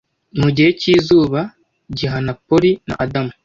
Mu gihe cyizuba gihana Polly na Adam